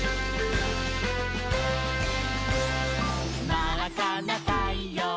「まっかなたいよう